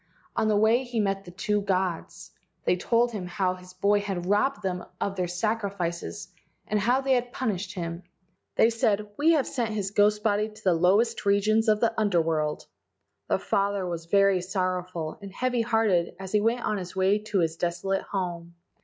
On the way he met the two gods. They told him how his boy had robbed them of their sacrifices and how they had punished him. They said, "We have sent his ghost body to the lowest regions of the Under world. ,, The father was very sorrowful and heavy hearted as he went on his way to his desolate home.